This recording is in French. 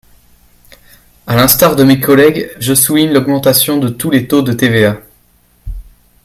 À l’instar de mes collègues, je souligne l’augmentation de tous les taux de TVA.